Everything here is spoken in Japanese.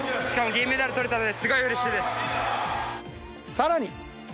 さらに。